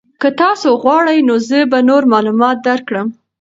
که تاسو غواړئ نو زه به نور معلومات درکړم.